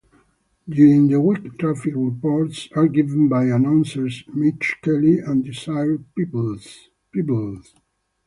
During the week traffic reports are given by announcers Mitch Kelly and Desiree Peeples.